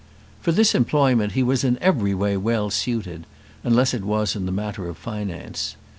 For this employment he was in every way well suited unless it was in the matter of finance.